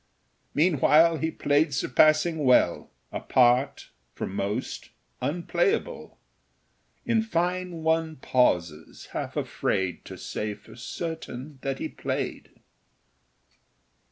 Meanwhile he played surpassing well A part, for most, unplayable; In fine, one pauses, half afraid To say for certain that he played.